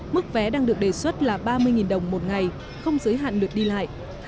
mức vé đang được đề xuất là ba mươi đồng một ngày không giới hạn lượt đi lại